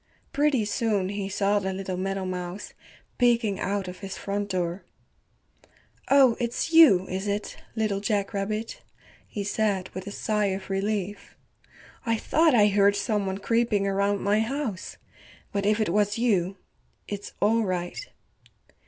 Pretty soon he saw the little meadowmouse peeking out of his front door. "Oh, it's you, is it, Little Jack Rabbit," he said with a sigh of relief, "I thought I heard some one creeping around my house. But if it was you, it's all right."